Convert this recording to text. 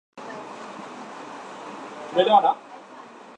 Their web is an irregular network of threads, usually in a sheltered place.